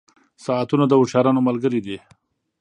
• ساعتونه د هوښیارانو ملګري دي.